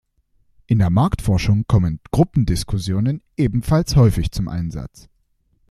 In der Marktforschung kommen Gruppendiskussionen ebenfalls häufig zum Einsatz.